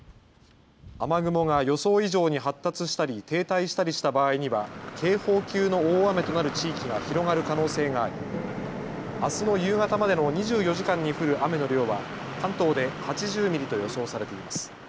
雨雲が予想以上に発達したり停滞したりした場合には警報級の大雨となる地域が広がる可能性がありあすの夕方までの２４時間に降る雨の量は関東で８０ミリと予想されています。